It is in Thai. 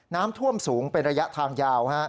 น้ำท่วมสูงเป็นระยะทางยาว